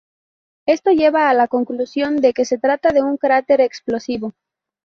Esto lleva a la conclusión de que se trata de un cráter explosivo.